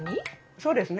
そうですね。